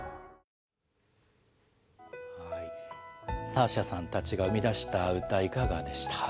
サーシャさんたちが生み出した歌、いかがでした？